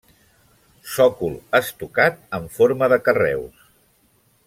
Sòcol estucat en forma de carreus.